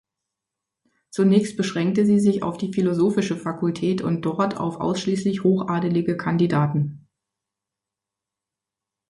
Zunächst beschränkte sie sich auf die philosophische Fakultät und dort auf ausschließlich hochadelige Kandidaten.